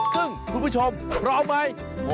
ซึ่งคุณผู้ชมพร้อมไหม